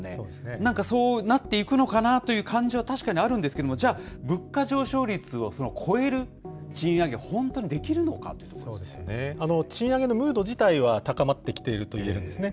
なんかそうなっていくのかなという感じは確かにあるんですけれども、じゃあ物価上昇率を超える賃賃上げのムード自体は高まってきているといえるんですね。